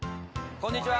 こんにちは！